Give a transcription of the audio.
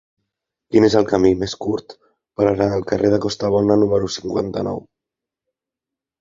Quin és el camí més curt per anar al carrer de Costabona número cinquanta-nou?